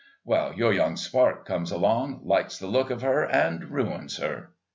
Well, your Young spark comes along, likes the look of her and ruins her...."